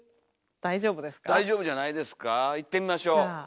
大丈夫じゃないですかいってみましょう。